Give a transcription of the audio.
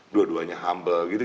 dua duanya humble gitu